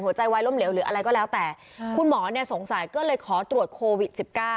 วัยล้มเหลวหรืออะไรก็แล้วแต่คุณหมอเนี่ยสงสัยก็เลยขอตรวจโควิด๑๙